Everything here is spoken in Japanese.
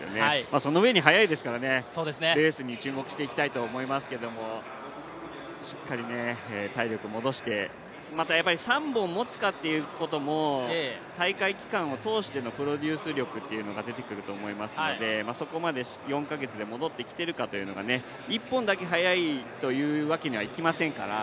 そのうえに速いですからね、レースに注目していきたいと思いますけどしっかり体力戻して、また３本持つかということも大会期間を通してのプロデュース力というのが出てくると思いますので、そこまで４か月で戻ってきてるかっていう１本だけ速いというわけにはいきませんから。